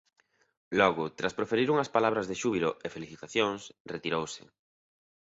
Logo, tras proferir unhas palabras de xúbilo e felicitacións, retirouse.